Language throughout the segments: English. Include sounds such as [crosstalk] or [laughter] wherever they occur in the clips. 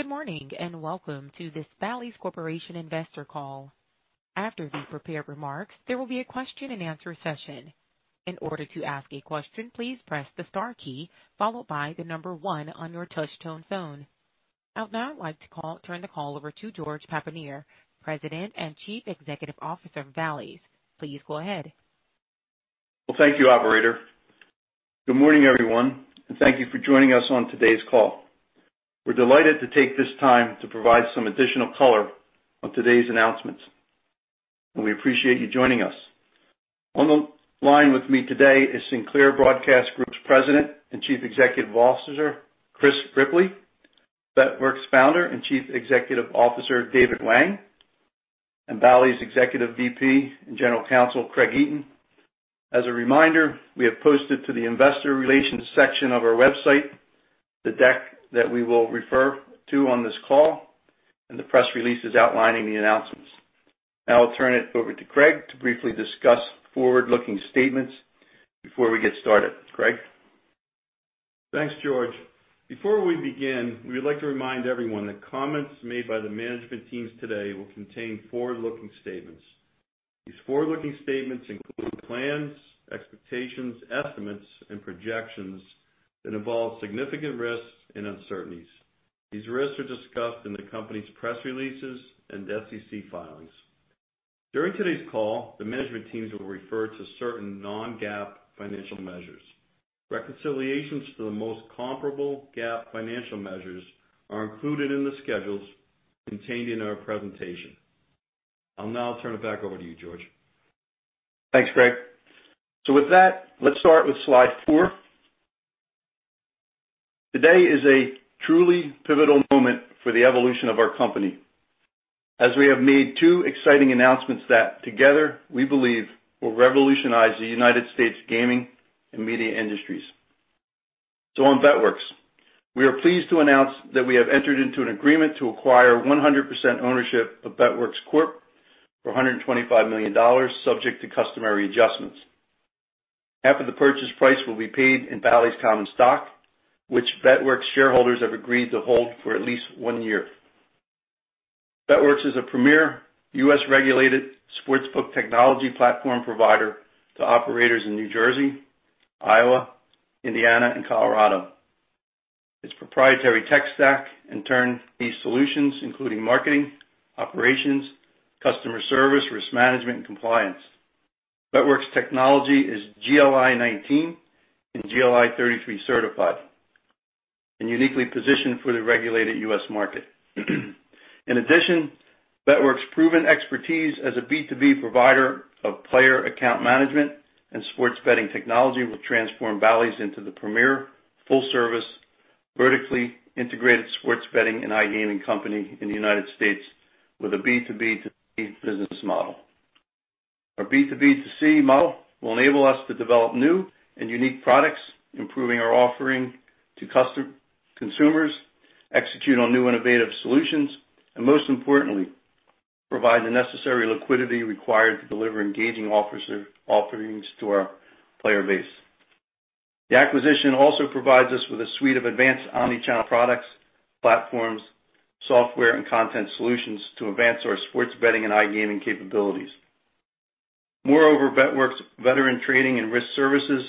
Good morning. Welcome to this Bally's Corporation Investor Call. After the prepared remarks, there will be a question-and-answer session. In order to ask a question, please press the star key followed by the number one on your touch-tone phone. I would now like to turn the call over to George Papanier, President and Chief Executive Officer of Bally's. Please go ahead. Well, thank you, operator. Good morning, everyone, and thank you for joining us on today's call. We're delighted to take this time to provide some additional color on today's announcements, and we appreciate you joining us. On the line with me today is Sinclair Broadcast Group's President and Chief Executive Officer, Chris Ripley, Bet.Works Founder and Chief Executive Officer, David Wang, and Bally's Executive VP and General Counsel, Craig Eaton. As a reminder, we have posted to the investor relations section of our website the deck that we will refer to on this call, and the press releases outlining the announcements. I'll turn it over to Craig to briefly discuss forward-looking statements before we get started. Craig? Thanks, George. Before we begin, we would like to remind everyone that comments made by the management teams today will contain forward-looking statements. These forward-looking statements include plans, expectations, estimates, and projections that involve significant risks and uncertainties. These risks are discussed in the company's press releases and SEC filings. During today's call, the management teams will refer to certain non-GAAP financial measures. Reconciliations for the most comparable GAAP financial measures are included in the schedules contained in our presentation. I'll now turn it back over to you, George. Thanks, Craig. With that, let's start with slide four. Today is a truly pivotal moment for the evolution of our company, as we have made two exciting announcements that together, we believe, will revolutionize the U.S. gaming and media industries. On Bet.Works, we are pleased to announce that we have entered into an agreement to acquire 100% ownership of Bet.Works Corp for $125 million, subject to customary adjustments. Half of the purchase price will be paid in Bally's common stock, which Bet.Works shareholders have agreed to hold for at least one year. Bet.Works is a premier U.S.-regulated sportsbook technology platform provider to operators in New Jersey, Iowa, Indiana, and Colorado. Its proprietary tech stack, in turn, these solutions, including marketing, operations, customer service, risk management, and compliance. Bet.Works technology is GLI 19 and GLI 33 certified and uniquely positioned for the regulated U.S. market. In addition, Bet.Works' proven expertise as a B2B provider of player account management and sports betting technology will transform Bally's into the premier full-service, vertically integrated sports betting and iGaming company in the United States with a B2B2C business model. Our B2B2C model will enable us to develop new and unique products, improving our offering to consumers, execute on new innovative solutions, and most importantly, provide the necessary liquidity required to deliver engaging offerings to our player base. The acquisition also provides us with a suite of advanced omni-channel products, platforms, software, and content solutions to advance our sports betting and iGaming capabilities. Moreover, Bet.Works' veteran trading and risk services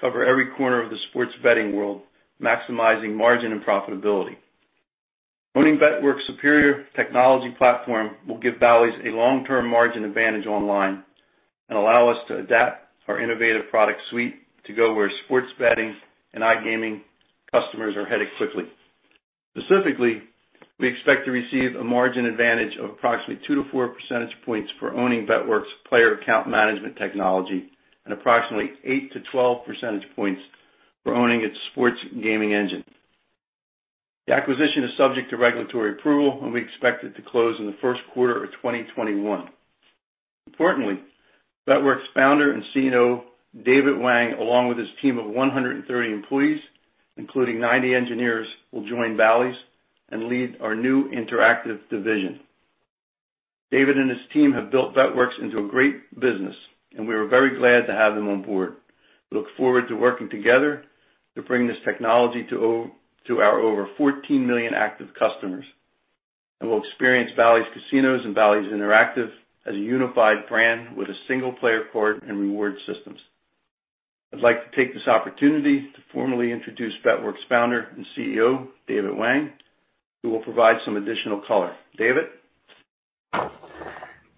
cover every corner of the sports betting world, maximizing margin and profitability. Owning Bet.Works' superior technology platform will give Bally's a long-term margin advantage online and allow us to adapt our innovative product suite to go where sports betting and iGaming customers are headed quickly. Specifically, we expect to receive a margin advantage of approximately 2 percentage points-4 percentage points for owning Bet.Works player account management technology and approximately 8 percentage points-12 percentage points for owning its sports and gaming engine. The acquisition is subject to regulatory approval. We expect it to close in the first quarter of 2021. Importantly, Bet.Works Founder and CEO, David Wang, along with his team of 130 employees, including 90 engineers, will join Bally's and lead our new interactive division. David and his team have built Bet.Works into a great business. We are very glad to have them on board. We look forward to working together to bring this technology to our over 14 million active customers, and will experience Bally's Casinos and Bally's Interactive as a unified brand with a single player card and reward systems. I'd like to take this opportunity to formally introduce Bet.Works Founder and CEO, David Wang, who will provide some additional color. David?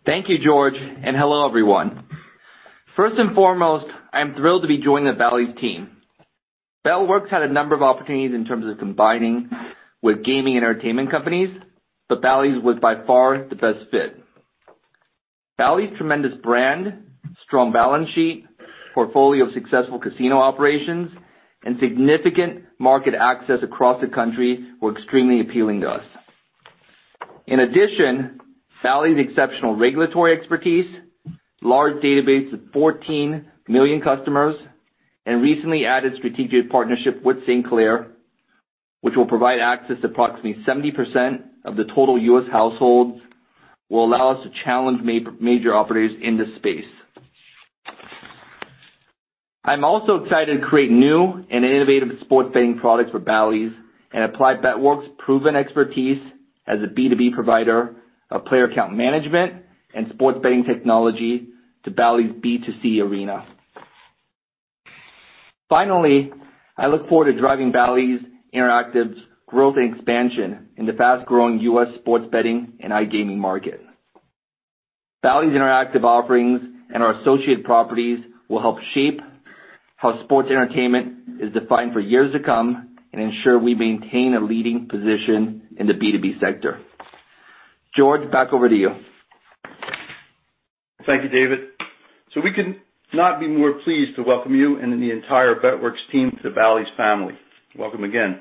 Thank you, George. Hello, everyone. First and foremost, I am thrilled to be joining the Bally's team. Bet.Works had a number of opportunities in terms of combining with gaming entertainment companies, but Bally's was by far the best fit. Bally's tremendous brand, strong balance sheet, portfolio of successful casino operations, and significant market access across the country were extremely appealing to us. In addition, Bally's exceptional regulatory expertise, large database of 14 million customers, and recently added strategic partnership with Sinclair, which will provide access to approximately 70% of the total U.S. households, will allow us to challenge major operators in this space. I'm also excited to create new and innovative sports betting products for Bally's and apply Bet.Works' proven expertise as a B2B provider of player account management and sports betting technology to Bally's B2C arena. Finally, I look forward to driving Bally's Interactive's growth and expansion in the fast-growing U.S. sports betting and iGaming market. Bally's Interactive offerings and our associated properties will help shape how sports entertainment is defined for years to come and ensure we maintain a leading position in the B2B sector. George, back over to you. Thank you, David. We could not be more pleased to welcome you and the entire Bet.Works team to the Bally's family. Welcome again.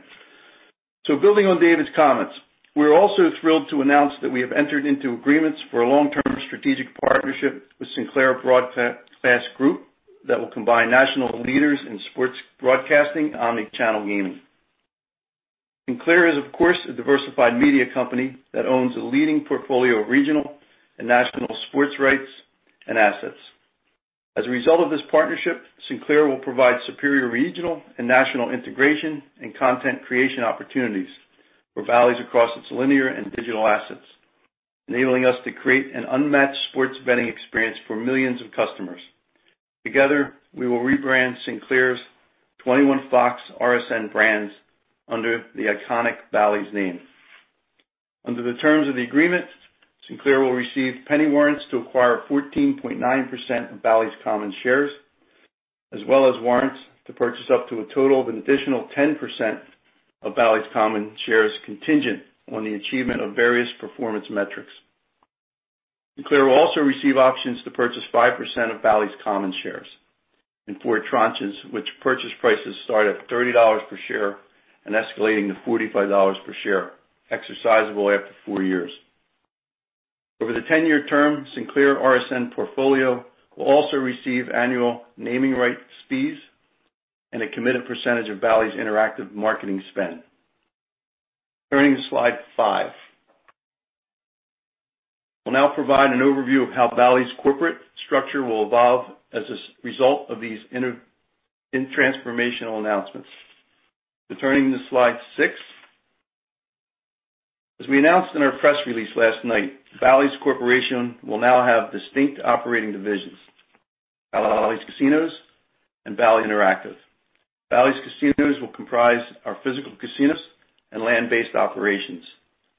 Building on David's comments, we're also thrilled to announce that we have entered into agreements for a long-term strategic partnership with Sinclair Broadcast Group that will combine national leaders in sports broadcasting, omni-channel gaming. Sinclair is, of course, a diversified media company that owns a leading portfolio of regional and national sports rights and assets. As a result of this partnership, Sinclair will provide superior regional and national integration and content creation opportunities for Bally's across its linear and digital assets, enabling us to create an unmatched sports betting experience for millions of customers. Together, we will rebrand Sinclair's 21 Fox RSN brands under the iconic Bally's name. Under the terms of the agreement, Sinclair will receive penny warrants to acquire 14.9% of Bally's common shares, as well as warrants to purchase up to a total of an additional 10% of Bally's common shares, contingent on the achievement of various performance metrics. Sinclair will also receive options to purchase 5% of Bally's common shares in four tranches, which purchase prices start at $30 per share and escalating to $45 per share, exercisable after four years. Over the 10-year term, Sinclair RSN portfolio will also receive annual naming rights fees and a committed percentage of Bally's Interactive marketing spend. Turning to slide five. We'll now provide an overview of how Bally's corporate structure will evolve as a result of these transformational announcements. We're turning to slide six. As we announced in our press release last night, Bally's Corporation will now have distinct operating divisions, Bally's Casinos and Bally's Interactive. Bally's Casinos will comprise our physical casinos and land-based operations,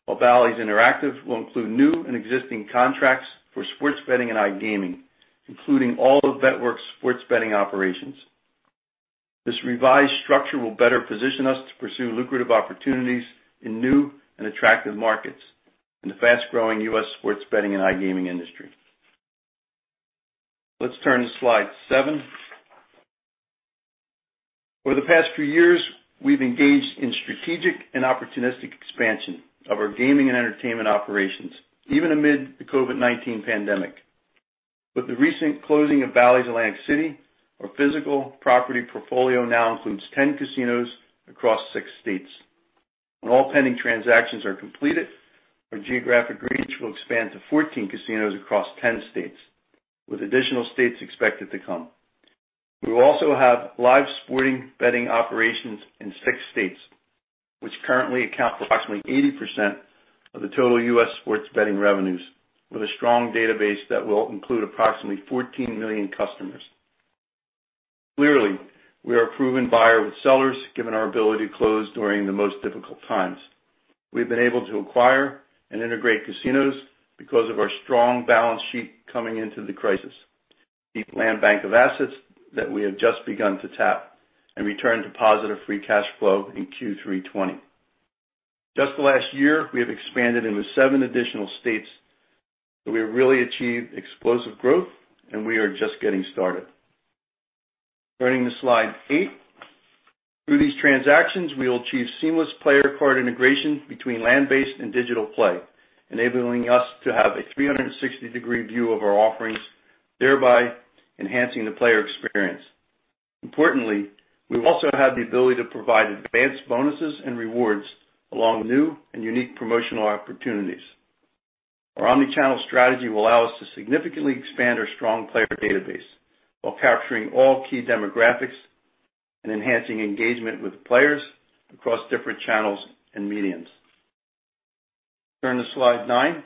while Bally's Interactive will include new and existing contracts for sports betting and iGaming, including all of Bet.Works' sports betting operations. This revised structure will better position us to pursue lucrative opportunities in new and attractive markets in the fast-growing U.S. sports betting and iGaming industry. Let's turn to slide seven. Over the past few years, we've engaged in strategic and opportunistic expansion of our gaming and entertainment operations, even amid the COVID-19 pandemic. With the recent closing of Bally's Atlantic City, our physical property portfolio now includes 10 casinos across six states. When all pending transactions are completed, our geographic reach will expand to 14 casinos across 10 states, with additional states expected to come. We will also have live sporting betting operations in six states, which currently account for approximately 80% of the total U.S. sports betting revenues, with a strong database that will include approximately 14 million customers. Clearly, we are a proven buyer with sellers, given our ability to close during the most difficult times. We've been able to acquire and integrate casinos because of our strong balance sheet coming into the crisis, a land bank of assets that we have just begun to tap and return to positive free cash flow in Q3 2020. Just the last year, we have expanded into seven additional states, so we have really achieved explosive growth and we are just getting started. Turning to slide eight. Through these transactions, we will achieve seamless player card integration between land-based and digital play, enabling us to have a 360-degree view of our offerings, thereby enhancing the player experience. Importantly, we will also have the ability to provide advanced bonuses and rewards along with new and unique promotional opportunities. Our omni-channel strategy will allow us to significantly expand our strong player database while capturing all key demographics and enhancing engagement with players across different channels and mediums. Turning to slide nine.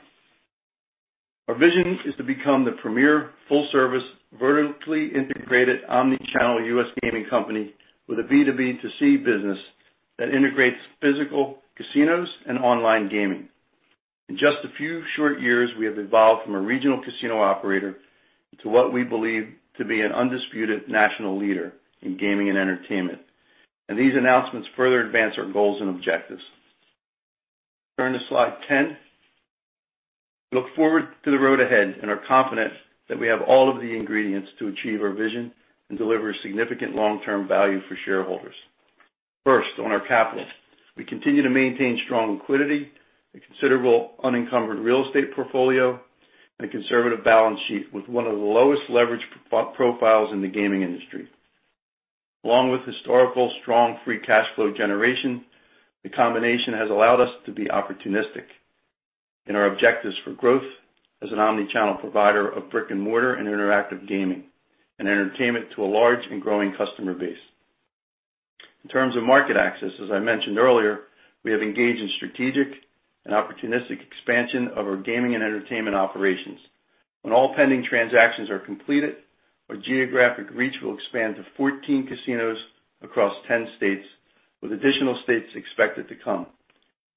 Our vision is to become the premier, full-service, vertically integrated omni-channel U.S. gaming company with a B2B2C business that integrates physical casinos and online gaming. In just a few short years, we have evolved from a regional casino operator to what we believe to be an undisputed national leader in gaming and entertainment. These announcements further advance our goals and objectives. Turning to slide 10. We look forward to the road ahead and are confident that we have all of the ingredients to achieve our vision and deliver significant long-term value for shareholders. First, on our capital. We continue to maintain strong liquidity, a considerable unencumbered real estate portfolio, and a conservative balance sheet with one of the lowest leverage profiles in the gaming industry. Along with historical strong free cash flow generation, the combination has allowed us to be opportunistic in our objectives for growth as an omni-channel provider of brick and mortar and interactive gaming and entertainment to a large and growing customer base. In terms of market access, as I mentioned earlier, we have engaged in strategic and opportunistic expansion of our gaming and entertainment operations. When all pending transactions are completed, our geographic reach will expand to 14 casinos across 10 states, with additional states expected to come.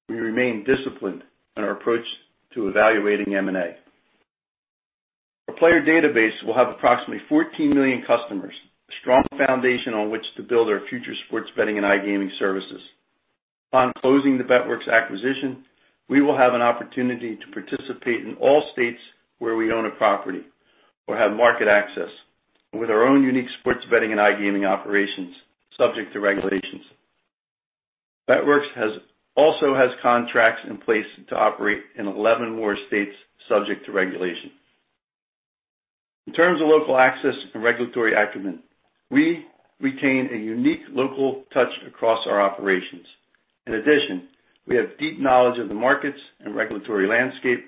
We remain disciplined in our approach to evaluating M&A. Our player database will have approximately 14 million customers, a strong foundation on which to build our future sports betting and iGaming services. Upon closing the Bet.Works acquisition, we will have an opportunity to participate in all states where we own a property or have market access with our own unique sports betting and iGaming operations, subject to regulations. Bet.Works also has contracts in place to operate in 11 more states subject to regulation. In terms of local access and regulatory acumen, we retain a unique local touch across our operations. In addition, we have deep knowledge of the markets and regulatory landscape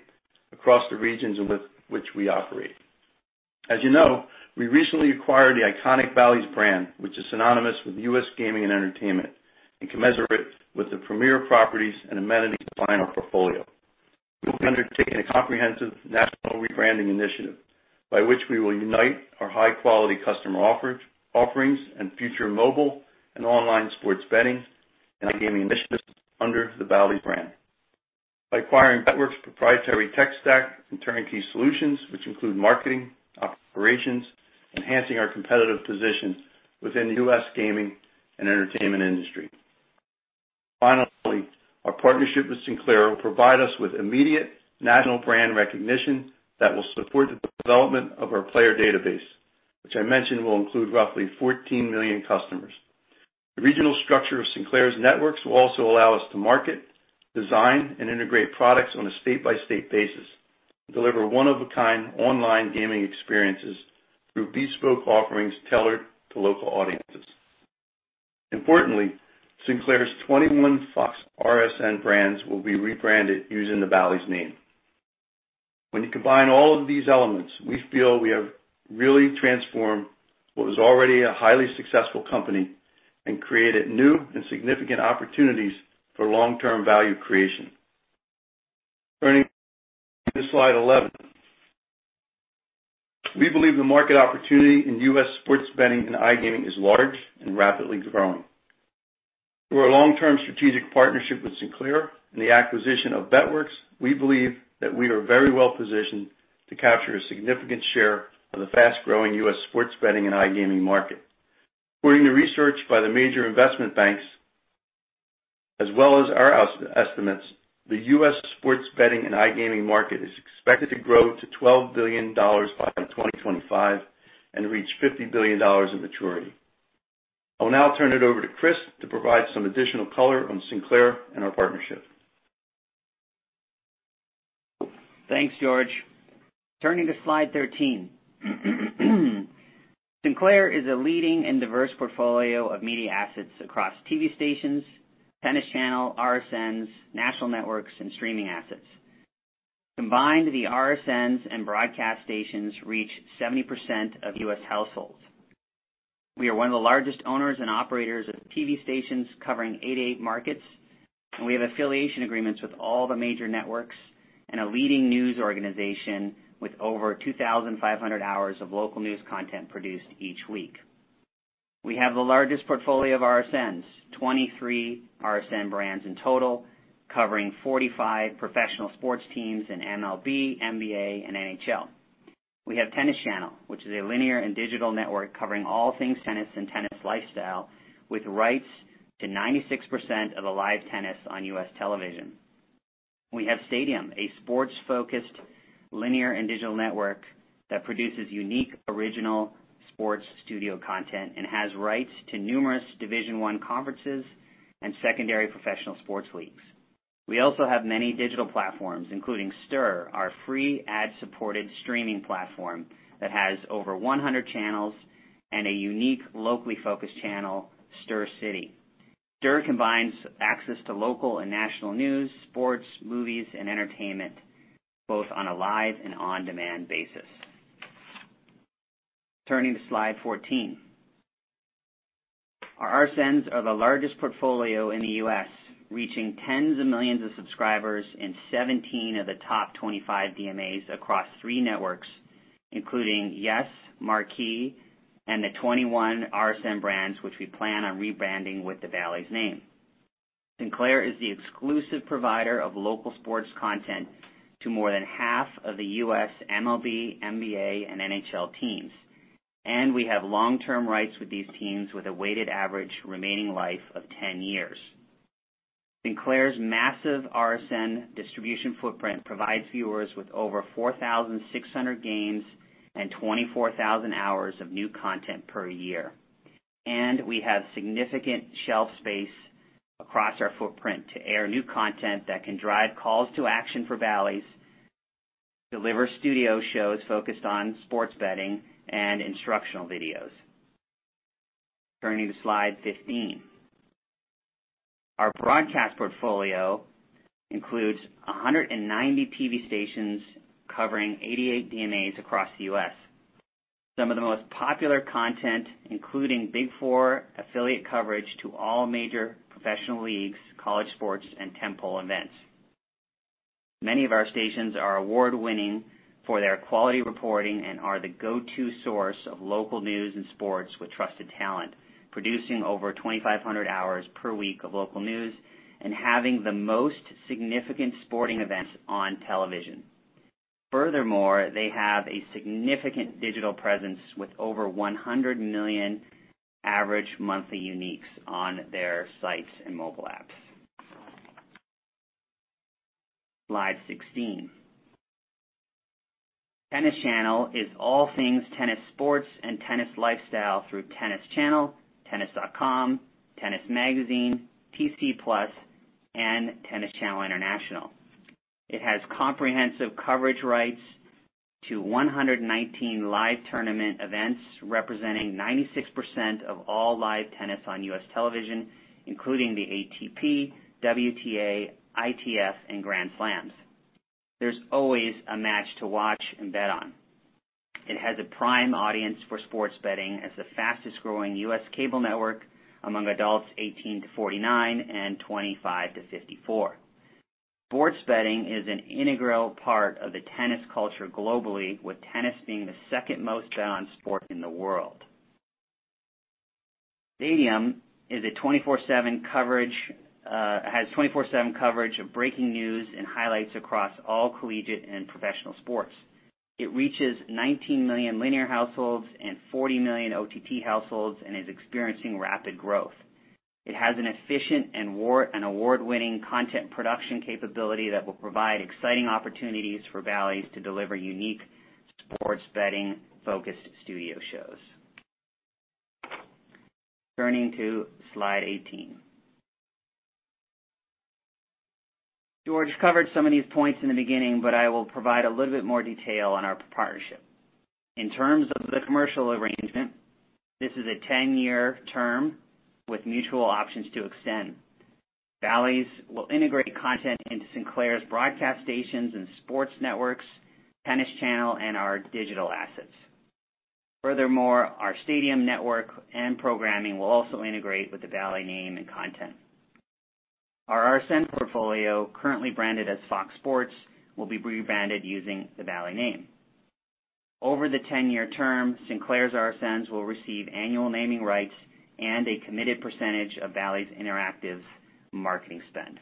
across the regions in which we operate. As you know, we recently acquired the iconic Bally's brand, which is synonymous with U.S. gaming and entertainment, and commensurate with the premier properties and amenities in our portfolio. We will be undertaking a comprehensive national rebranding initiative by which we will unite our high-quality customer offerings and future mobile and online sports betting and iGaming initiatives under the Bally's brand. By acquiring Bet.Works' proprietary tech stack and turnkey solutions, which include marketing, operations, enhancing our competitive positions within the U.S. gaming and entertainment industry. Finally, our partnership with Sinclair will provide us with immediate national brand recognition that will support the development of our player database, which I mentioned will include roughly 14 million customers. The regional structure of Sinclair's networks will also allow us to market, design, and integrate products on a state-by-state basis, and deliver one-of-a-kind online gaming experiences through bespoke offerings tailored to local audiences. Importantly, Sinclair's 21 Fox RSN brands will be rebranded using the Bally's name. When you combine all of these elements, we feel we have really transformed what was already a highly successful company and created new and significant opportunities for long-term value creation. Turning to slide 11. We believe the market opportunity in U.S. sports betting and iGaming is large and rapidly growing. Through our long-term strategic partnership with Sinclair and the acquisition of Bet.Works, we believe that we are very well positioned to capture a significant share of the fast-growing U.S. sports betting and iGaming market. According to research by the major investment banks, as well as our estimates, the U.S. sports betting and iGaming market is expected to grow to $12 billion by 2025 and reach $50 billion at maturity. I'll now turn it over to Chris to provide some additional color on Sinclair and our partnership. Thanks, George. Turning to slide 13. Sinclair is a leading and diverse portfolio of media assets across TV stations, Tennis Channel, RSNs, national networks, and streaming assets. Combined, the RSNs and broadcast stations reach 70% of U.S. households. We are one of the largest owners and operators of TV stations covering 88 markets. We have affiliation agreements with all the major networks and a leading news organization with over 2,500 hours of local news content produced each week. We have the largest portfolio of RSNs, 23 RSN brands in total, covering 45 professional sports teams in MLB, NBA, and NHL. We have Tennis Channel, which is a linear and digital network covering all things tennis and tennis lifestyle, with rights to 96% of the live tennis on U.S. television. We have Stadium, a sports-focused linear and digital network that produces unique original sports studio content and has rights to numerous Division I conferences and secondary professional sports leagues. We also have many digital platforms, including STIRR, our free ad-supported streaming platform that has over 100 channels and a unique locally focused channel, STIRR City. STIRR combines access to local and national news, sports, movies, and entertainment, both on a live and on-demand basis. Turning to slide 14. Our RSNs are the largest portfolio in the U.S., reaching tens of millions of subscribers in 17 of the top 25 DMAs across three networks, including YES, Marquee, and the 21 RSN brands which we plan on rebranding with the Bally's name. Sinclair is the exclusive provider of local sports content to more than half of the U.S. MLB, NBA, and NHL teams. We have long-term rights with these teams with a weighted average remaining life of 10 years. Sinclair's massive RSN distribution footprint provides viewers with over 4,600 games and 24,000 hours of new content per year. We have significant shelf space across our footprint to air new content that can drive calls to action for Bally's, deliver studio shows focused on sports betting, and instructional videos. Turning to slide 15. Our broadcast portfolio includes 190 TV stations covering 88 DMAs across the U.S. Some of the most popular content including Big Four affiliate coverage to all major professional leagues, college sports, and tentpole events. Many of our stations are award-winning for their quality reporting and are the go-to source of local news and sports with trusted talent, producing over 2,500 hours per week of local news and having the most significant sporting events on television. Furthermore, they have a significant digital presence with over 100 million average monthly uniques on their sites and mobile apps. Slide 16. Tennis Channel is all things tennis sports and tennis lifestyle through Tennis Channel, tennis.com, Tennis Magazine, TC Plus, and Tennis Channel International. It has comprehensive coverage rights to 119 live tournament events, representing 96% of all live tennis on U.S. television, including the ATP, WTA, ITF, and Grand Slams. There's always a match to watch and bet on. It has a prime audience for sports betting as the fastest growing U.S. cable network among adults 18-49 and 25-54. Sports betting is an integral part of the tennis culture globally, with tennis being the second-most betted on sport in the world. Stadium has 24/7 coverage of breaking news and highlights across all collegiate and professional sports. It reaches 19 million linear households and 40 million OTT households and is experiencing rapid growth. It has an efficient and award-winning content production capability that will provide exciting opportunities for Bally's to deliver unique sports betting-focused studio shows. Turning to slide 18. George covered some of these points in the beginning, but I will provide a little bit more detail on our partnership. In terms of the commercial arrangement, this is a 10-year term with mutual options to extend. Bally's will integrate content into Sinclair's broadcast stations and sports networks, Tennis Channel, and our digital assets. Furthermore, our Stadium network and programming will also integrate with the Bally name and content. Our RSN portfolio, currently branded as Fox Sports, will be rebranded using the Bally name. Over the 10-year term, Sinclair's RSNs will receive annual naming rights and a committed percentage of Bally's Interactive marketing spend.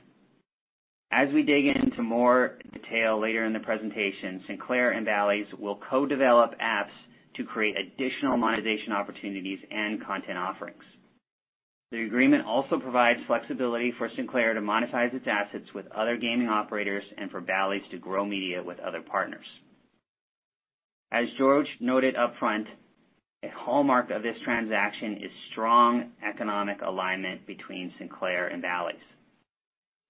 As we dig into more detail later in the presentation, Sinclair and Bally's will co-develop apps to create additional monetization opportunities and content offerings. The agreement also provides flexibility for Sinclair to monetize its assets with other gaming operators and for Bally's to grow media with other partners. As George noted upfront, a hallmark of this transaction is strong economic alignment between Sinclair and Bally's.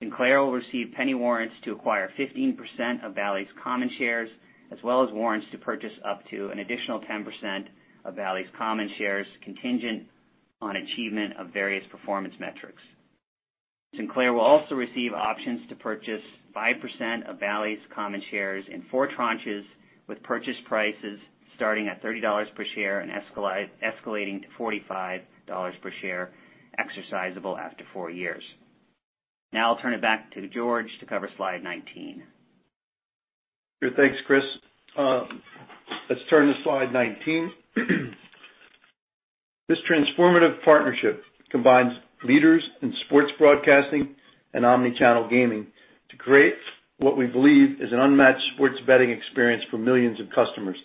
Sinclair will receive penny warrants to acquire 15% of Bally's common shares, as well as warrants to purchase up to an additional 10% of Bally's common shares, contingent on achievement of various performance metrics. Sinclair will also receive options to purchase 5% of Bally's common shares in four tranches with purchase prices starting at $30 per share and escalating to $45 per share exercisable after four years. I'll turn it back to George to cover slide 19. Good. Thanks, Chris. Let's turn to slide 19. This transformative partnership combines leaders in sports broadcasting and omni-channel gaming to create what we believe is an unmatched sports betting experience for millions of customers.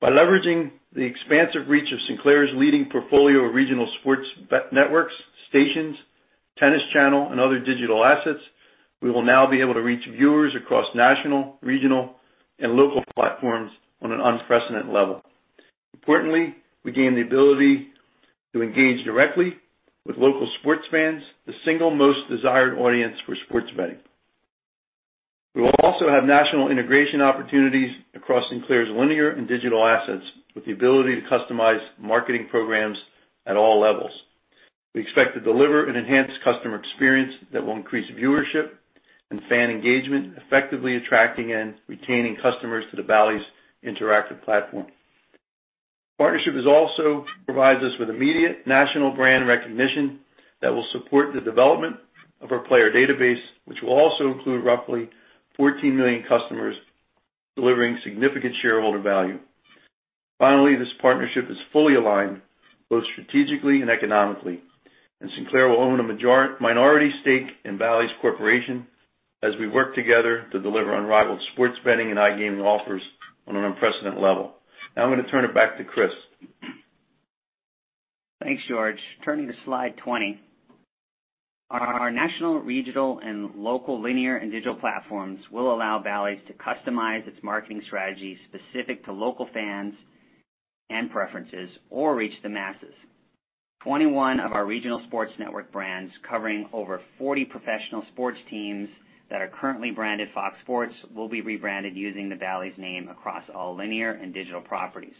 By leveraging the expansive reach of Sinclair's leading portfolio of regional sports networks, stations, Tennis Channel, and other digital assets, we will now be able to reach viewers across national, regional, and local platforms on an unprecedented level. Importantly, we gain the ability to engage directly with local sports fans, the single most desired audience for sports betting. We will also have national integration opportunities across Sinclair's linear and digital assets with the ability to customize marketing programs at all levels. We expect to deliver an enhanced customer experience that will increase viewership and fan engagement, effectively attracting and retaining customers to the Bally's Interactive platform. Partnership also provides us with immediate national brand recognition that will support the development of our player database, which will also include roughly 14 million customers, delivering significant shareholder value. This partnership is fully aligned both strategically and economically, and Sinclair will own a minority stake in Bally's Corporation as we work together to deliver unrivaled sports betting and iGaming offers on an unprecedented level. I'm going to turn it back to Chris. Thanks, George. Turning to slide 20. Our national, regional, and local linear and digital platforms will allow Bally's to customize its marketing strategy specific to local fans and preferences or reach the masses. 21 of our regional sports network brands covering over 40 professional sports teams that are currently branded Fox Sports will be rebranded using the Bally's name across all linear and digital properties.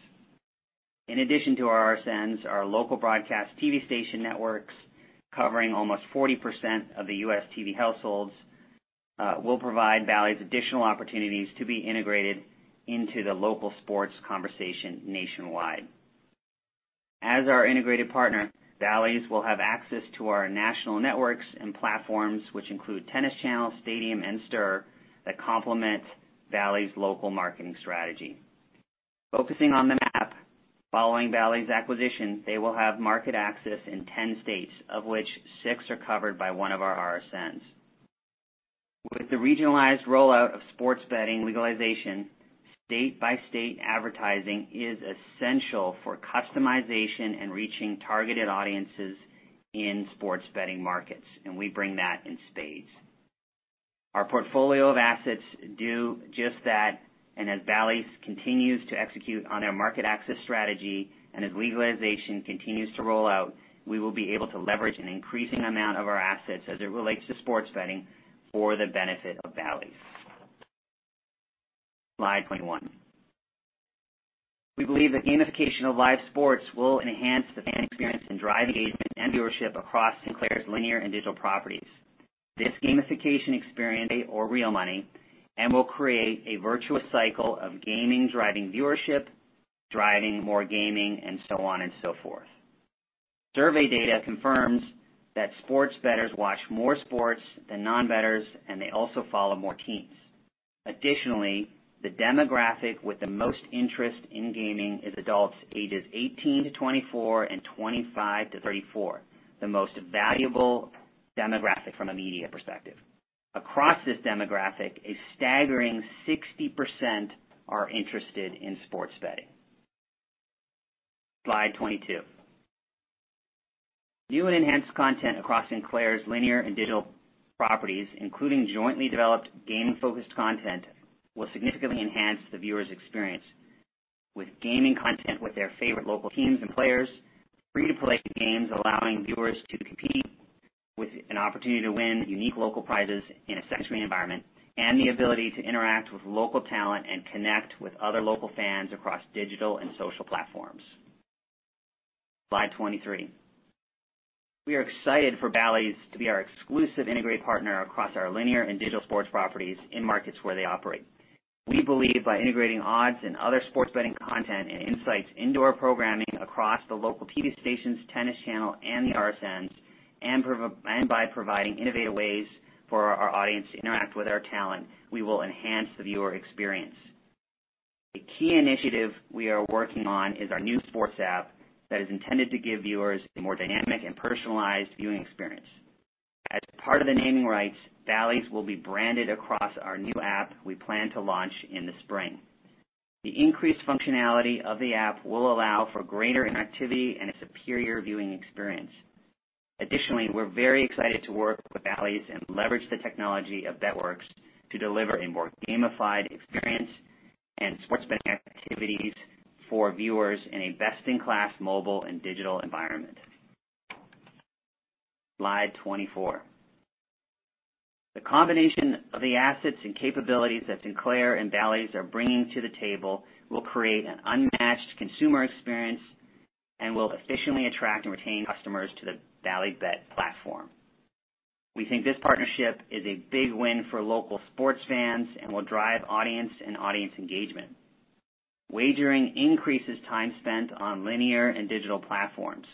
In addition to our RSNs, our local broadcast TV station networks, covering almost 40% of the U.S. TV households, will provide Bally's additional opportunities to be integrated into the local sports conversation nationwide. As our integrated partner, Bally's will have access to our national networks and platforms, which include Tennis Channel, Stadium, and STIRR, that complement Bally's local marketing strategy. Focusing on the map, following Bally's acquisition, they will have market access in 10 states, of which six are covered by one of our RSNs. With the regionalized rollout of sports betting legalization, state-by-state advertising is essential for customization and reaching targeted audiences in sports betting markets. We bring that in spades. Our portfolio of assets do just that. As Bally's continues to execute on their market access strategy, as legalization continues to roll out, we will be able to leverage an increasing amount of our assets as it relates to sports betting for the benefit of Bally's. Slide 21. We believe that gamification of live sports will enhance the fan experience and drive engagement and viewership across Sinclair's linear and digital properties. This gamification experience or real money and will create a virtuous cycle of gaming driving viewership, driving more gaming, and so on and so forth. Survey data confirms that sports bettors watch more sports than non-bettors. They also follow more teams. Additionally, the demographic with the most interest in gaming is adults ages 18-24 and 25-34, the most valuable demographic from a media perspective. Across this demographic, a staggering 60% are interested in sports betting. Slide 22. Viewing enhanced content across Sinclair's linear and digital properties, including jointly developed gaming-focused content, will significantly enhance the viewer's experience. With gaming content with their favorite local teams and players, free-to-play games allowing viewers to compete with an opportunity to win unique local prizes in a secondary environment, and the ability to interact with local talent and connect with other local fans across digital and social platforms. Slide 23. We are excited for Bally's to be our exclusive integrated partner across our linear and digital sports properties in markets where they operate. We believe by integrating odds and other sports betting content and insights into our programming across the local TV stations, Tennis Channel, and the RSNs, and by providing innovative ways for our audience to interact with our talent, we will enhance the viewer experience. A key initiative we are working on is our new sports app that is intended to give viewers a more dynamic and personalized viewing experience. As part of the naming rights, Bally's will be branded across our new app we plan to launch in the spring. The increased functionality of the app will allow for greater interactivity and a superior viewing experience. Additionally, we're very excited to work with Bally's and leverage the technology of Bet.Works to deliver a more gamified experience and sports betting activities for viewers in a best-in-class mobile and digital environment. Slide 24. The combination of the assets and capabilities that Sinclair and Bally's are bringing to the table will create an unmatched consumer experience and will efficiently attract and retain customers to the Bally Bet platform. We think this partnership is a big win for local sports fans and will drive audience and audience engagement. Wagering increases time spent on linear and digital platforms.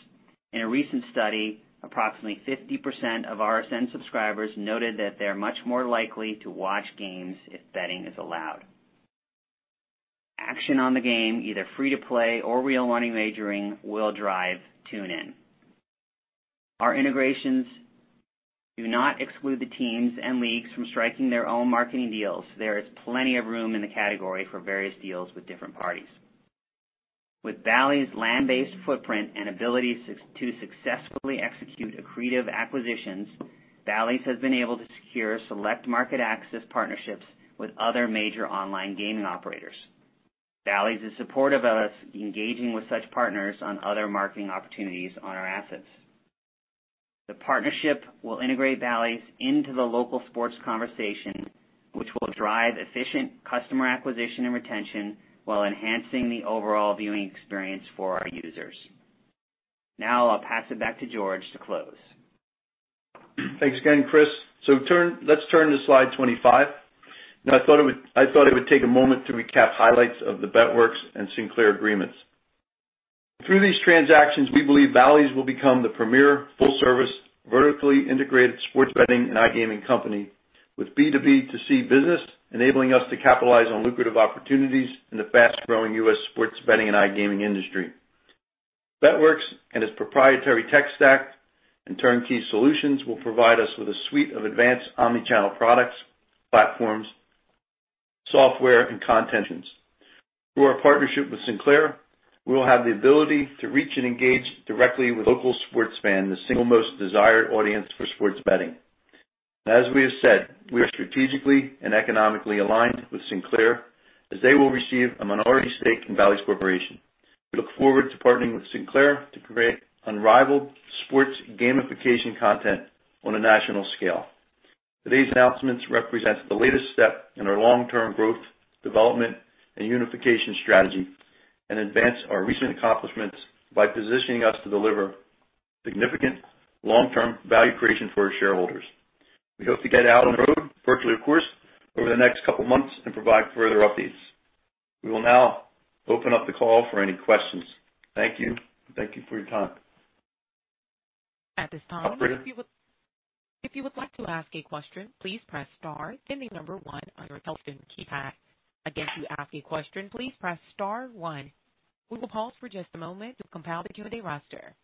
In a recent study, approximately 50% of RSN subscribers noted that they are much more likely to watch games if betting is allowed. Action on the game, either free to play or real money wagering, will drive tune in. Our integrations do not exclude the teams and leagues from striking their own marketing deals. There is plenty of room in the category for various deals with different parties. With Bally's land-based footprint and ability to successfully execute accretive acquisitions, Bally's has been able to secure select market access partnerships with other major online gaming operators. Bally's is supportive of us engaging with such partners on other marketing opportunities on our assets. The partnership will integrate Bally's into the local sports conversation, which will drive efficient customer acquisition and retention while enhancing the overall viewing experience for our users. Now I'll pass it back to George to close. Thanks again, Chris. Let's turn to slide 25. Now, I thought it would take a moment to recap highlights of the Bet.Works and Sinclair agreements. Through these transactions, we believe Bally's will become the premier full-service, vertically integrated sports betting and iGaming company with B2B2C business, enabling us to capitalize on lucrative opportunities in the fast-growing U.S. sports betting and iGaming industry. Bet.Works and its proprietary tech stack and turnkey solutions will provide us with a suite of advanced omni-channel products, platforms, software, and content. Through our partnership with Sinclair, we will have the ability to reach and engage directly with local sports fans, the single most desired audience for sports betting. As we have said, we are strategically and economically aligned with Sinclair, as they will receive a minority stake in Bally's Corporation. We look forward to partnering with Sinclair to create unrivaled sports gamification content on a national scale. Today's announcements represent the latest step in our long-term growth, development, and unification strategy, and advance our recent accomplishments by positioning us to deliver significant long-term value creation for our shareholders. We hope to get out on the road, virtually of course, over the next couple of months and provide further updates. We will now open up the call for any questions. Thank you, and thank you for your time. At this time- Operator? If you would like to ask a question, please press star then the number one on your telephone keypad. Again, to ask a question, please press star one. We will pause for just a moment to compile the queue of the roster.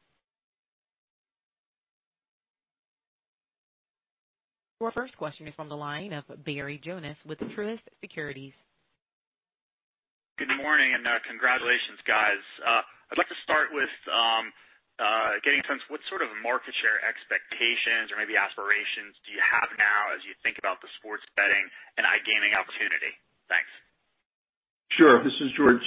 Your first question is from the line of Barry Jonas with Truist Securities. Good morning, congratulations, guys. I'd like to start with getting a sense what sort of market share expectations or maybe aspirations do you have now as you think about the sports betting and iGaming opportunity? Thanks. Sure. This is George.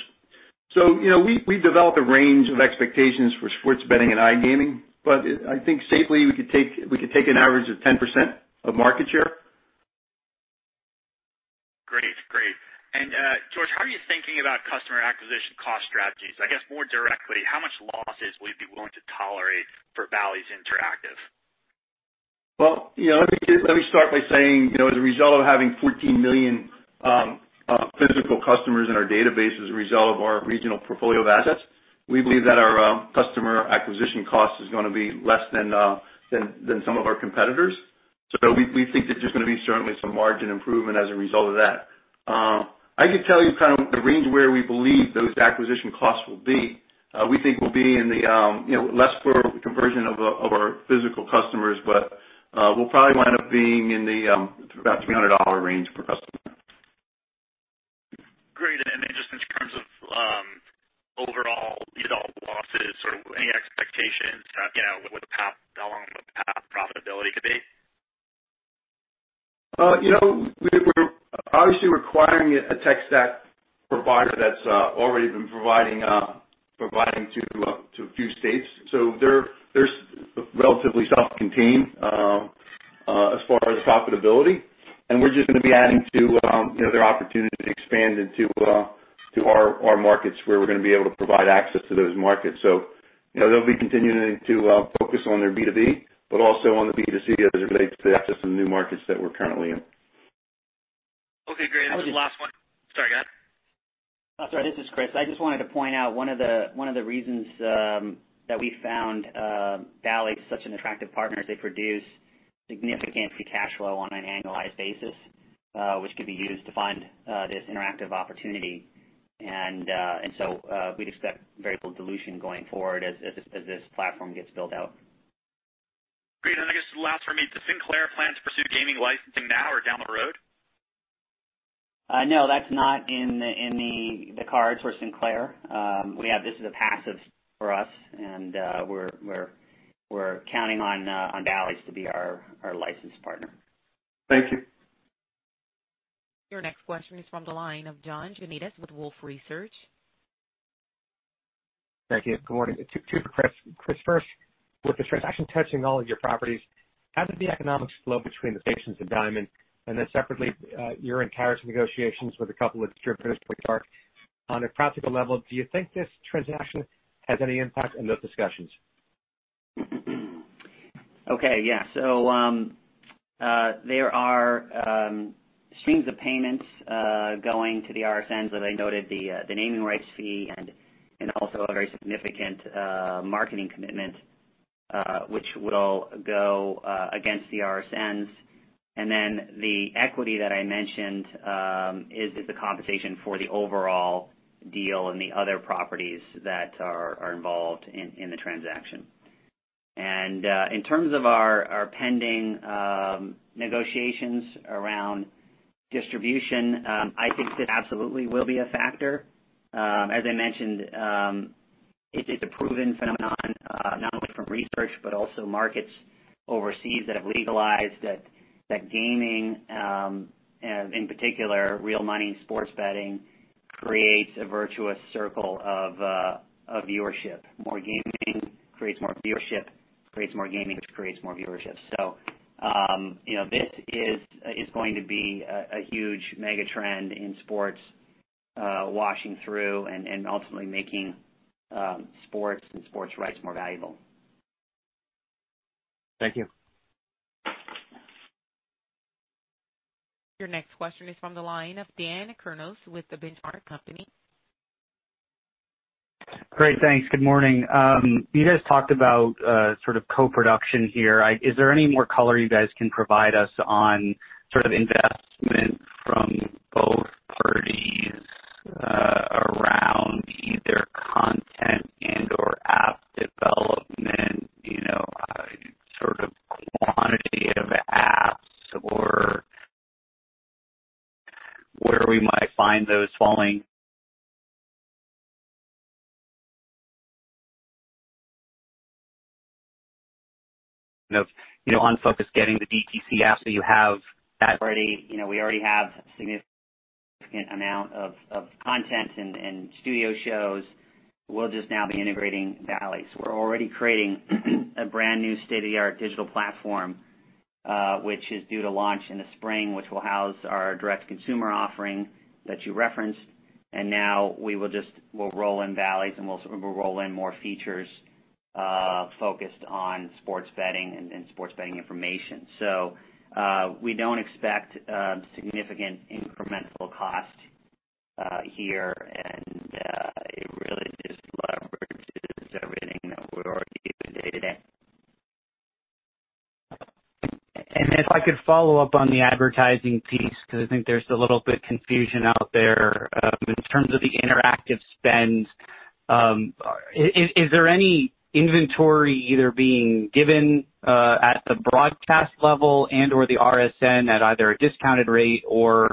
We developed a range of expectations for sports betting and iGaming, but I think safely, we could take an average of 10% of market share. Great. George, how are you thinking about customer acquisition cost strategies? I guess more directly, how much losses will you be willing to tolerate for Bally's Interactive? Let me start by saying, as a result of having 14 million physical customers in our database as a result of our regional portfolio of assets, we believe that our customer acquisition cost is going to be less than some of our competitors. We think there's just going to be certainly some margin improvement as a result of that. I could tell you the range where we believe those acquisition costs will be. We think we'll be in the less for conversion of our physical customers, but we'll probably wind up being in the about $300 range per customer. Great. Just in terms of overall losses or any expectations, how long the path profitability could be? We're obviously requiring a tech stack provider that's already been providing to a few states. They're relatively self-contained, as far as profitability. We're just going to be adding to their opportunity to expand into our markets where we're going to be able to provide access to those markets. They'll be continuing to focus on their B2B, but also on the B2C as it relates to the access to new markets that we're currently in. Okay, great. Just last one. Sorry, go ahead. Sorry, this is Chris. I just wanted to point out one of the reasons that we found Bally's such an attractive partner, is they produce significant free cash flow on an annualized basis, which could be used to fund this interactive opportunity. We'd expect very little dilution going forward as this platform gets built out. Great. Then I guess the last for me, does Sinclair plan to pursue gaming licensing now or down the road? No, that's not in the cards for Sinclair. This is a passive for us, and we're counting on Bally's to be our license partner. Thank you. Your next question is from the line of John Janedis with Wolfe Research. Thank you. Good morning. Two for Chris. Chris, first, with this transaction touching all of your properties, how did the economics flow between the Stations and Diamond? Separately, you're in carriage negotiations with a couple of distributors for Star. On a practical level, do you think this transaction has any impact on those discussions? Okay, yeah. There are streams of payments going to the RSNs. As I noted, the naming rights fee and also a very significant marketing commitment, which will go against the RSNs. The equity that I mentioned, is the compensation for the overall deal and the other properties that are involved in the transaction. In terms of our pending negotiations around distribution, I think this absolutely will be a factor. As I mentioned, it's a proven phenomenon, not only from research, but also markets overseas that have legalized that gaming, in particular, real money sports betting, creates a virtuous circle of viewership. More gaming creates more viewership, creates more gaming, which creates more viewership. This is going to be a huge mega trend in sports washing through and ultimately making sports and sports rights more valuable. Thank you. Your next question is from the line of Daniel Kurnos with The Benchmark Company. Great. Thanks. Good morning. You guys talked about sort of co-production here. Is there any more color you guys can provide us on sort of investment from both parties around either content and/or app development, sort of quantity of apps or where we might find those falling? We already have a significant amount of content and studio shows. We'll just now be integrating Bally's. We're already creating a brand new state-of-the-art digital platform, which is due to launch in the spring, which will house our direct consumer offering that you referenced. Now we'll roll in Bally's, and we'll roll in more features focused on sports betting and sports betting information. We don't expect a significant incremental cost here, and it really just leverages everything that we're already using day-to-day. If I could follow up on the advertising piece, because I think there's a little bit confusion out there, in terms of the interactive spend. Is there any inventory either being given at the broadcast level and/or the RSN at either a discounted rate, or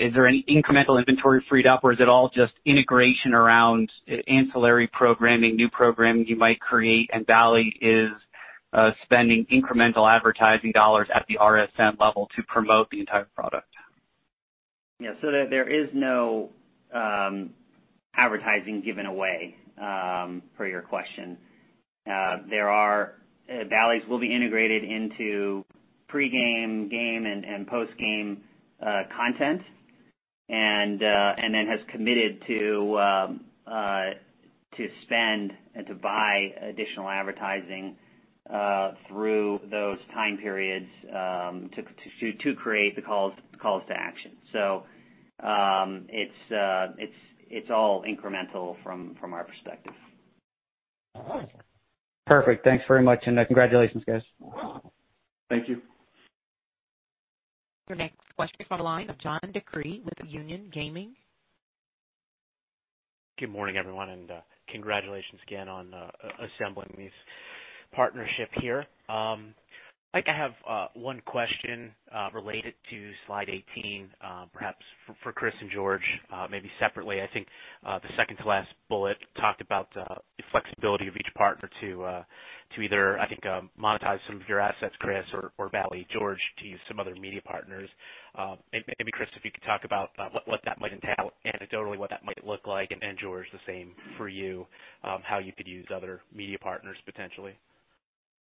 is there any incremental inventory freed up? Is it all just integration around ancillary programming, new programming you might create, and Bally is spending incremental advertising dollars at the RSN level to promote the entire product? Yeah. There is no advertising given away, per your question. Bally's will be integrated into pre-game, game, and post-game content, and then has committed to spend and to buy additional advertising through those time periods to create the calls to action. It's all incremental from our perspective. All right. Perfect. Thanks very much, and congratulations, guys. Thank you. Your next question is on the line with John DeCree with Union Gaming. Good morning, everyone, congratulations again on assembling this partnership here. I have one question related to slide 18, perhaps for Chris and George, maybe separately. I think the second to last bullet talked about the flexibility of each partner to either, I think, monetize some of your assets, Chris, or Bally's, George, to use some other media partners. Maybe Chris, if you could talk about what that might entail, anecdotally, what that might look like, and George, the same for you, how you could use other media partners potentially.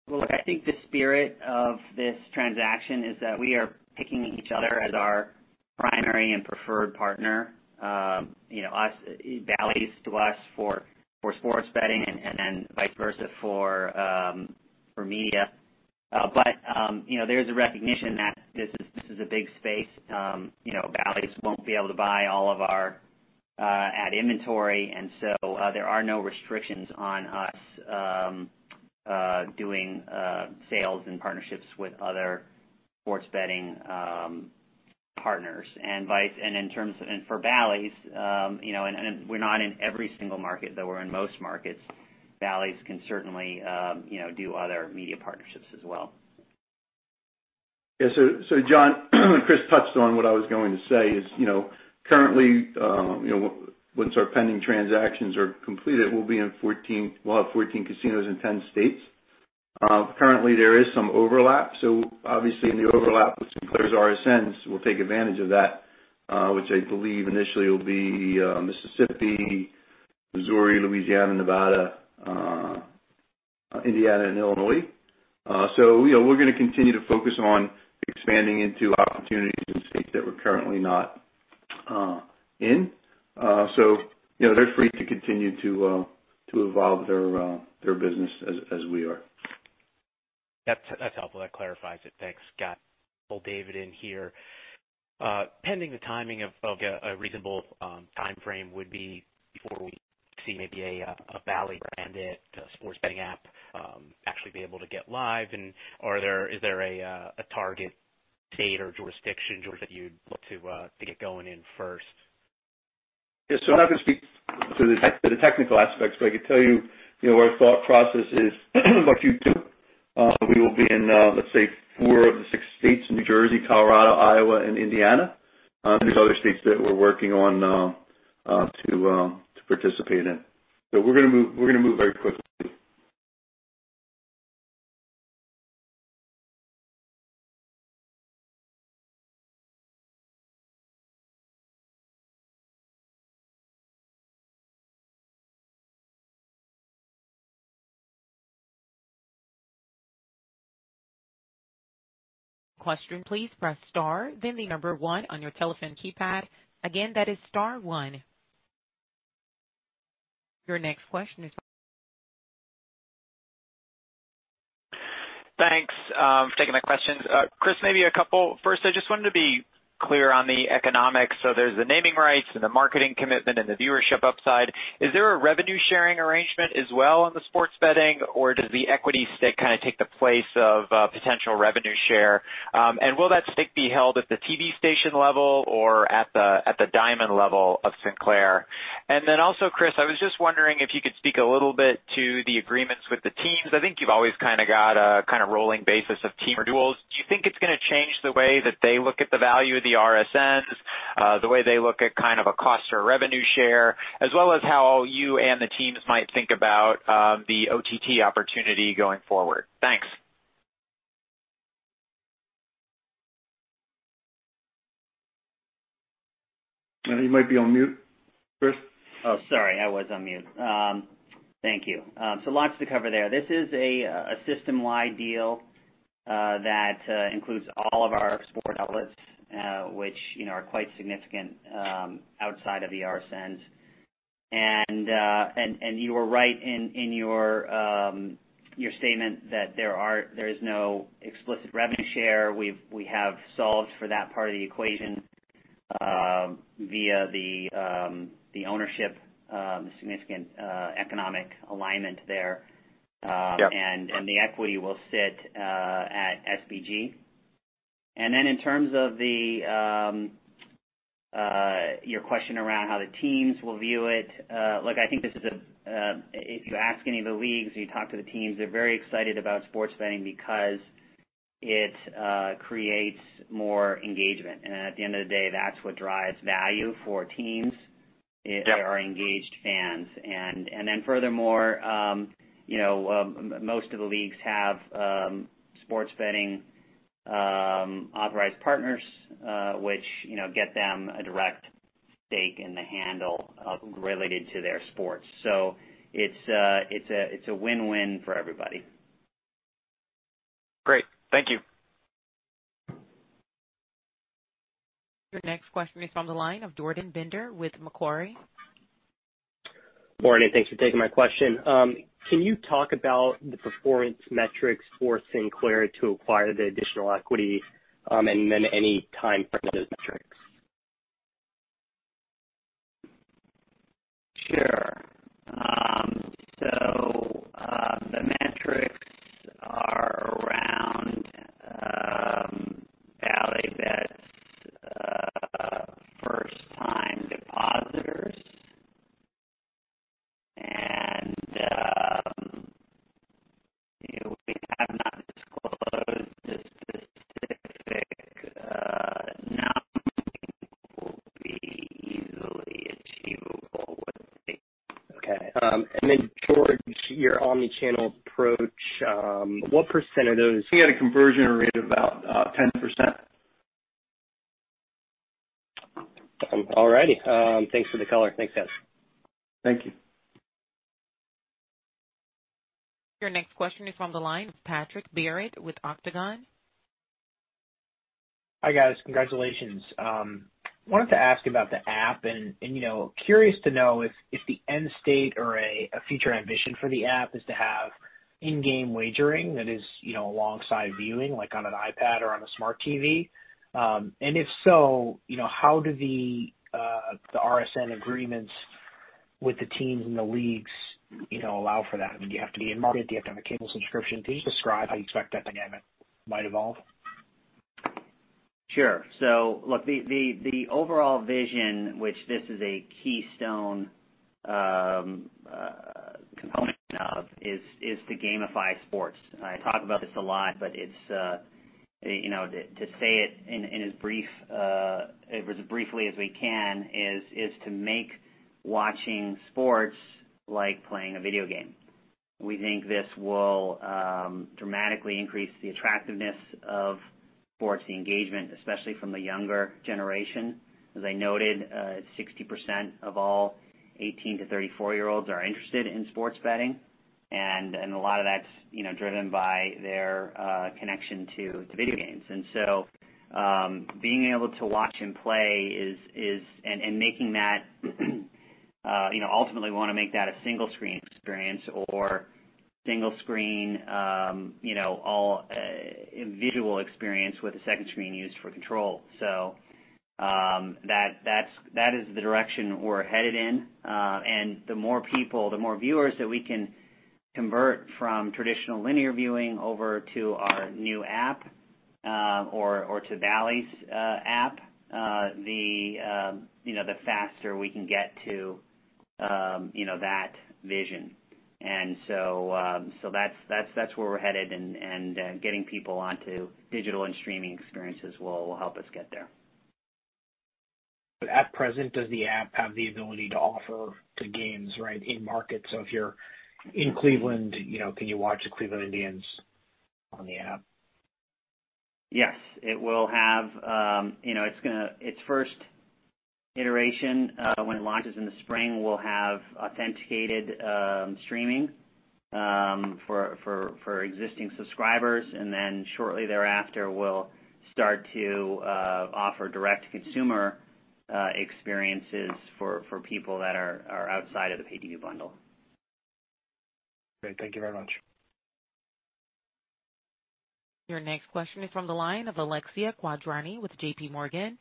Look, I think the spirit of this transaction is that we are picking each other as our primary and preferred partner. Bally's to us for sports betting and then vice versa for media. There's a recognition that this is a big space. Bally's won't be able to buy all of our ad inventory. There are no restrictions on us doing sales and partnerships with other sports betting partners. For Bally's, we're not in every single market, though we're in most markets. Bally's can certainly do other media partnerships as well. John, Chris touched on what I was going to say, is currently, once our pending transactions are completed, we'll have 14 casinos in 10 states. Currently, there is some overlap. Obviously in the overlap with Sinclair's RSNs, we'll take advantage of that, which I believe initially will be Mississippi, Missouri, Louisiana, Nevada, Indiana, and Illinois. We're going to continue to focus on expanding into opportunities in states that we're currently not in. They're free to continue to evolve their business as we are. That's helpful. That clarifies it. Thanks. Got David in here. Pending the timing of a reasonable timeframe would be before we see maybe a Bally branded sports betting app actually be able to get live. Is there a target state or jurisdiction, George, that you'd look to get going in first? Yeah. I'm not going to speak to the technical aspects, but I could tell you our thought process is Q2. We will be in, let's say, four of the six states, New Jersey, Colorado, Iowa, and Indiana. There's other states that we're working on to participate in. We're going to move very quickly. Question, please press star, then the number one on your telephone keypad. Again, that is star one. Your next question is- [inaudible] Thanks. Taking the questions. Chris, maybe a couple. First, I just wanted to be clear on the economics. There's the naming rights and the marketing commitment and the viewership upside. Is there a revenue sharing arrangement as well on the sports betting, or does the equity stake kind of take the place of potential revenue share? Will that stake be held at the TV station level or at the Diamond level of Sinclair? Then also, Chris, I was just wondering if you could speak a little to the agreements with the teams. I think you've always kind of got a rolling basis of team renewals. Do you think it's going to change the way that they look at the value of the RSNs? The way they look at kind of a cost or a revenue share, as well as how you and the teams might think about the OTT opportunity going forward. Thanks. You might be on mute, Chris. Oh, sorry. I was on mute. Thank you. Lots to cover there. This is a system-wide deal that includes all of our sport outlets which are quite significant outside of the RSNs. You are right in your statement that there is no explicit revenue share. We have solved for that part of the equation via the ownership, the significant economic alignment there. Yep. The equity will sit at SBG. In terms of your question around how the teams will view it, look, if you ask any of the leagues or you talk to the teams, they're very excited about sports betting because it creates more engagement. At the end of the day, that's what drives value for teams- Yep. Are engaged fans. Furthermore, most of the leagues have sports betting authorized partners which get them a direct stake in the handle related to their sports. It's a win-win for everybody. Great. Thank you. Your next question is from the line of Jordan Bender with Macquarie. Morning, thanks for taking my question. Can you talk about the performance metrics for Sinclair to acquire the additional equity, and then any timeframe for those metrics? Sure. The metrics are around Bally Bet's first time depositors and we have not disclosed a specific number that will be easily achievable with them. Okay. Towards your omni-channel approach, what percent of those? We had a conversion rate of about 10%. All righty. Thanks for the color. Thanks, guys. Thank you. Your next question is from the line of Patrick Barrett with Octagon. Hi, guys. Congratulations. Wanted to ask about the app and curious to know if the end state or a future ambition for the app is to have in-game wagering that is alongside viewing, like on an iPad or on a smart TV. If so, how do the RSN agreements with the teams and the leagues allow for that? I mean, do you have to be in market? Do you have to have a cable subscription? Can you describe how you expect that dynamic might evolve? Sure. Look, the overall vision, which this is a keystone component of, is to gamify sports. I talk about this a lot, but to say it in as briefly as we can is to make watching sports like playing a video game. We think this will dramatically increase the attractiveness of sports engagement, especially from the younger generation. As I noted, 60% of all 18-34 year-olds are interested in sports betting, and a lot of that's driven by their connection to video games. Ultimately we wanna make that a single screen experience or single screen all visual experience with a second screen used for control. That is the direction we're headed in. The more people, the more viewers that we can convert from traditional linear viewing over to our new app, or to Bally's app, the faster we can get to that vision. That's where we're headed and getting people onto digital and streaming experiences will help us get there. At present, does the app have the ability to offer to games right in market? If you're in Cleveland, can you watch the Cleveland Guardians on the app? Yes. Its first iteration when it launches in the spring will have authenticated streaming for existing subscribers, and then shortly thereafter will start to offer direct consumer experiences for people that are outside of the pay-TV bundle. Great. Thank you very much. Your next question is from the line of Alexia Quadrani with JPMorgan.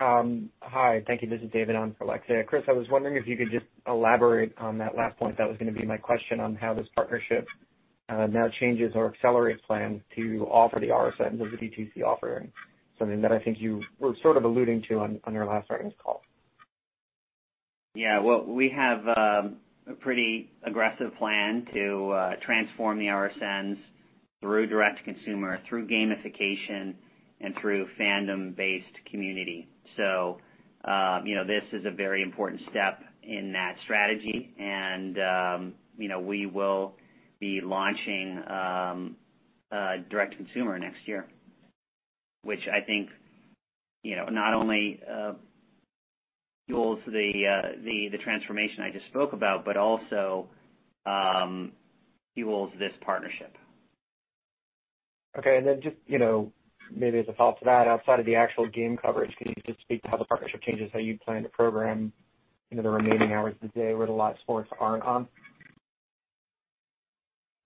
Hi. Thank you. This is David on for Alexia. Chris, I was wondering if you could just elaborate on that last point. That was going to be my question on how this partnership now changes or accelerates plans to offer the RSN as a DTC offering. Something that I think you were sort of alluding to on your last earnings call. Yeah. Well, we have a pretty aggressive plan to transform the RSNs through direct consumer, through gamification, and through fandom-based community. This is a very important step in that strategy, and we will be launching direct consumer next year, which I think not only fuels the transformation I just spoke about, but also fuels this partnership. Okay. Then just maybe as a follow to that, outside of the actual game coverage, can you just speak to how the partnership changes how you plan to program the remaining hours of the day where the live sports aren't on?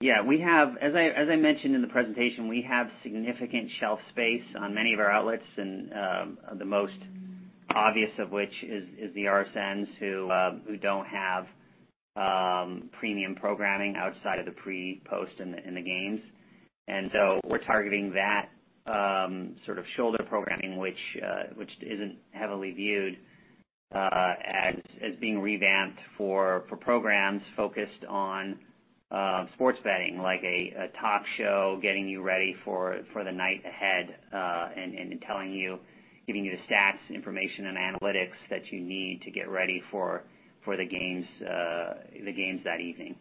Yeah. As I mentioned in the presentation, we have significant shelf space on many of our outlets, the most obvious of which is the RSNs who don't have premium programming outside of the pre, post, and the games. We're targeting that sort of shoulder programming, which isn't heavily viewed as being revamped for programs focused on sports betting, like a talk show getting you ready for the night ahead, and giving you the stats, information, and analytics that you need to get ready for the games that evening.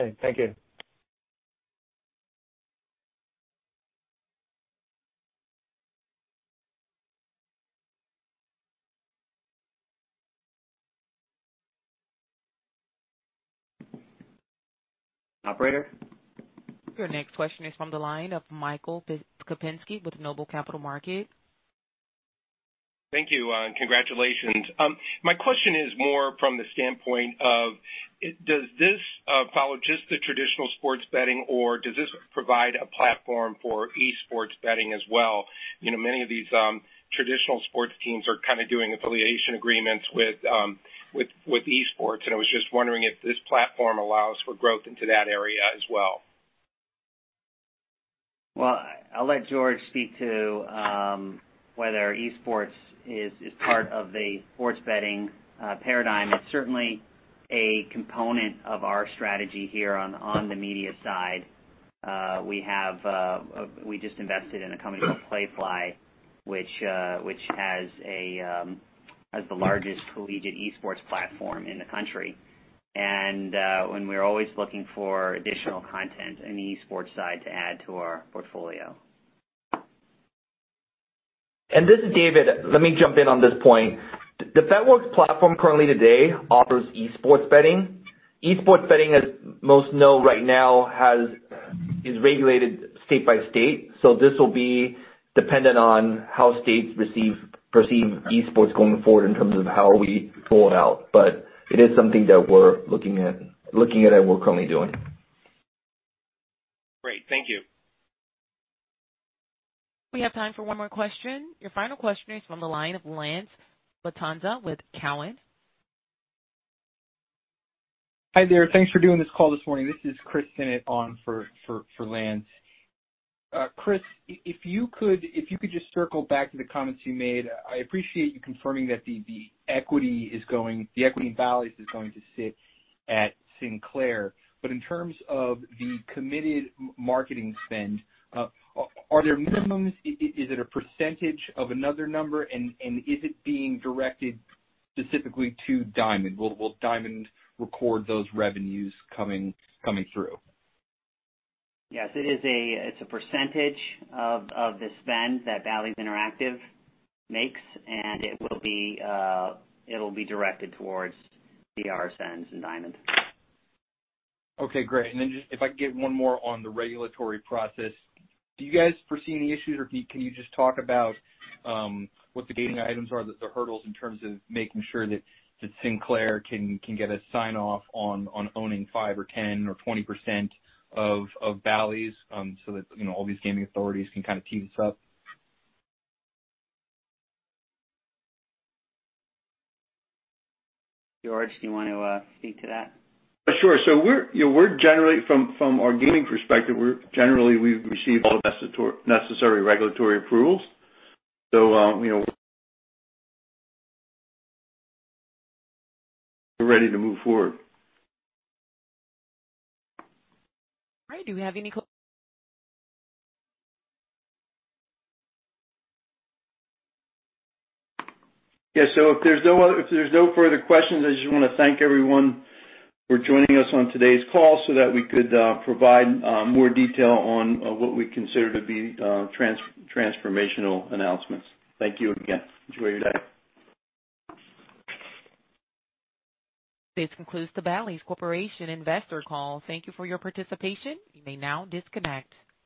Okay. Thank you. Operator? Your next question is from the line of Michael Kupinski with Noble Capital Markets. Thank you, and congratulations. My question is more from the standpoint of, does this follow just the traditional sports betting, or does this provide a platform for esports betting as well? Many of these traditional sports teams are kind of doing affiliation agreements with esports, and I was just wondering if this platform allows for growth into that area as well. Well, I'll let George speak to whether esports is part of the sports betting paradigm. It's certainly a component of our strategy here on the media side. We just invested in a company called Playfly, which has the largest collegiate esports platform in the country. We're always looking for additional content in the esports side to add to our portfolio. This is David. Let me jump in on this point. The Bet.Works platform currently today offers esports betting. Esports betting, as most know right now, is regulated state by state, so this will be dependent on how states perceive esports going forward in terms of how we roll it out. It is something that we're looking at and we're currently doing. Great. Thank you. We have time for one more question. Your final question is from the line of Lance Vitanza with Cowen. Hi there. Thanks for doing this call this morning. This is Chris Sinnott on for Lance. Chris, if you could just circle back to the comments you made. I appreciate you confirming that the equity in Bally's is going to sit at Sinclair. In terms of the committed marketing spend, are there minimums? Is it a percentage of another number, and is it being directed specifically to Diamond? Will Diamond record those revenues coming through? Yes, it's a percentage of the spend that Bally's Interactive makes, and it will be directed towards the RSNs and Diamond. Okay, great. Just if I could get one more on the regulatory process. Do you guys foresee any issues, or can you just talk about what the gating items are, the hurdles in terms of making sure that Sinclair can get a sign-off on owning 5% or 10% or 20% of Bally's, so that all these gaming authorities can kind of tee this up? George, do you want to speak to that? Sure. From our gaming perspective, generally, we've received all the necessary regulatory approvals. We're ready to move forward. Great. If there's no further questions, I just want to thank everyone for joining us on today's call so that we could provide more detail on what we consider to be transformational announcements. Thank you again. Enjoy your day. This concludes the Bally's Corporation investor call. Thank you for your participation. You may now disconnect.